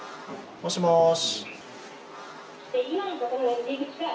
もしもし。